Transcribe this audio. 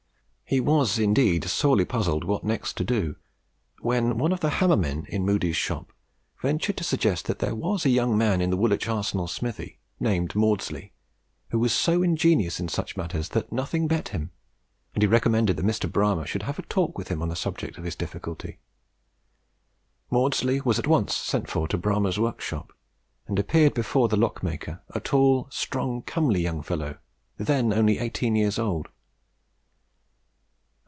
He was indeed sorely puzzled what next to do, when one of the hammermen in Moodie's shop ventured to suggest that there was a young man in the Woolwich Arsenal smithy, named Maudslay, who was so ingenious in such matters that "nothing bet him," and he recommended that Mr. Bramah should have a talk with him upon the subject of his difficulty. Maudslay was at once sent for to Bramah's workshop, and appeared before the lock maker, a tall, strong, comely young fellow, then only eighteen years old.